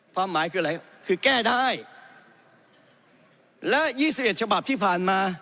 ความหมายคืออะไรคือแก้ได้และยี่สิบเอ็ดฉบับที่ผ่านมา